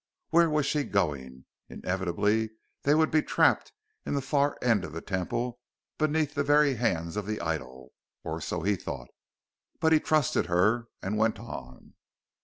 Where was she going? Inevitably they would be trapped in the far end of the Temple, beneath the very hands of the idol or so he thought. But he trusted her, and went on.